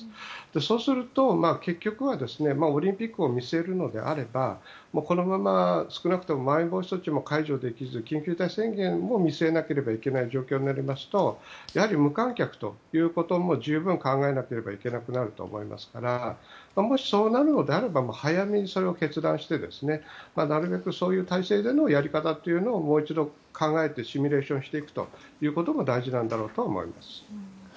そうすると、結局はオリンピックを見据えるのであればこのまま、少なくともまん延防止措置も解除できず緊急事態宣言も見据えなければいけない状況になりますとやはり、無観客ということも十分考えなければいけなくなると思いますからもしそうなるのであれば早めにそれは決断してなるべくそういう体制でのやり方というのをもう一度、考えてシミュレーションしていくことも大事なんだろうと思います。